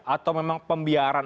atau memang pembiaran